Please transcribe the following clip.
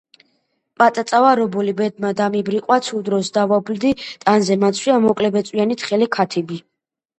პაწაწავარ ობოლი ბედმა დამიბრიყვა ცუდ დროს დავობლდი ტანზე მაცვია მოკლებეწვიანი თხელი ქათიბი